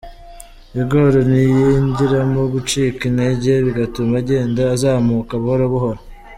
Igor ntiyigiramo gucika intenge bigatuma agenda azamuka buhobuhoro.